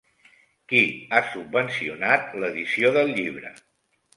Qui ha subvencionat l'edició del llibre?